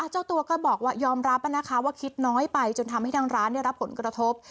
เจ้าตัวก็บอกว่ายอมรับนะคะว่าคิดน้อยไปจนทำให้ทางร้านได้รับผลกระทบ